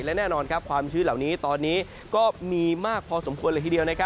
และแน่นอนความชื้นเหล่านี้ตอนนี้ก็มีมากพอสมควรเลยทีเดียว